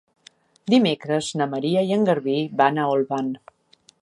Dimecres na Maria i en Garbí van a Olvan.